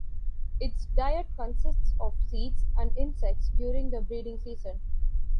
Its diet consists of seeds, and insects during the breeding season.